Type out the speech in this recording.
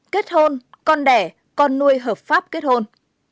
kết hôn con đẻ con nuôi hợp pháp kết hôn